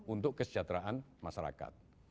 untuk kesejahteraan masyarakat